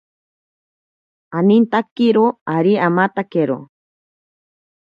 Anintakiro ari amatakero.